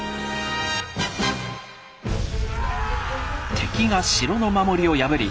敵が城の守りを破り